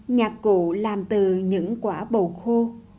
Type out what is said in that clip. nhạc cụ làm từ những quả bầu khô